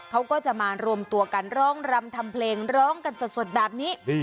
เขาก็จะมารวมตัวกันร้องรำทำเพลงร้องกันสดแบบนี้